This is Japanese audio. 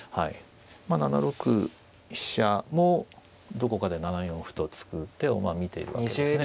７六飛車もどこかで７四歩と突く手を見ているわけですね。